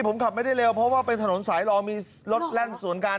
ผมขับไม่ได้เร็วเพราะว่าเป็นถนนสายรองมีรถแล่นสวนกัน